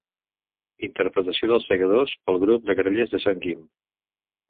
Interpretació dels segadors pel grup de Grallers de Sant Guim.